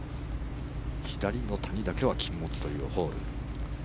左の谷だけは禁物というホール。